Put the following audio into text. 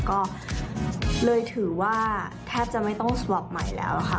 ก็เลยถือว่าแทบจะไม่ต้องฉบับใหม่แล้วค่ะ